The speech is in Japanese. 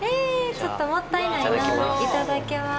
ちょっともったいないないただきます